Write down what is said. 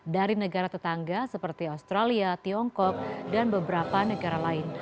dari negara tetangga seperti australia tiongkok dan beberapa negara lain